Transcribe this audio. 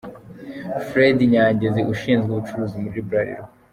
Freddy Nyangezi ushinzwe ubucuruzi muri Bralirwa.